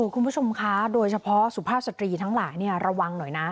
คุณผู้ชมคะโดยเฉพาะสุภาพสตรีทั้งหลายระวังหน่อยนะ